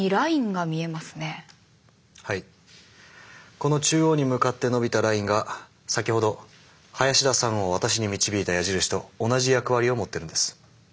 この中央に向かって伸びたラインが先ほど林田さんを私に導いた矢印と同じ役割を持ってるんです。